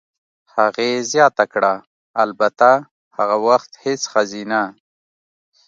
هغې زیاته کړه: "البته، هغه وخت هېڅ ښځینه.